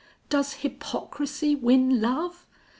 Does hypocrisy win love?